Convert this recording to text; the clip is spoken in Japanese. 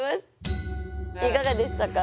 いかがでしたか？